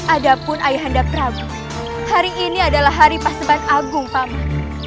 adapun ayahanda prabu hari ini adalah hari paseban agung paman